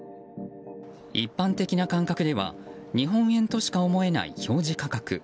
一般的な感覚では日本円としか思えない表示価格。